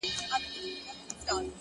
هره ورځ د نوې انرژۍ سرچینه ده